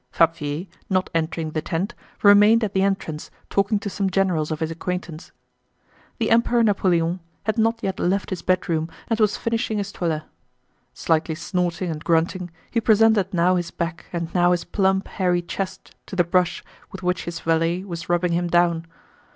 Fabvier, not entering the tent, remained at the entrance talking to some generals of his acquaintance. The Emperor Napoleon had not yet left his bedroom and was finishing his toilet. Slightly snorting and grunting, he presented now his back and now his plump hairy chest to the brush with which his valet was rubbing him down.